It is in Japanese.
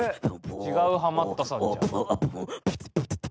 違うハマったさんじゃん。